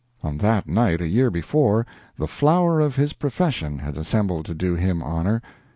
On that night, a year before, the flower of his profession had assembled to do him honor.